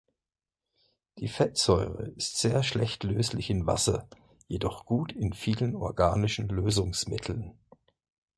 Die Fettsäure ist sehr schlecht löslich in Wasser, jedoch gut in vielen organischen Lösungsmitteln.